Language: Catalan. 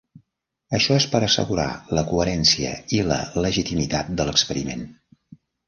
Això és per assegurar la coherència i la legitimitat de l'experiment.